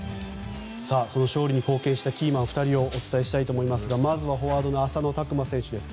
その勝利に貢献したキーマン２人をお伝えしたいと思いますがまずはフォワードの浅野拓磨選手です。